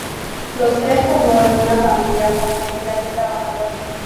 Los tres formaban una familia pobre de clase trabajadora.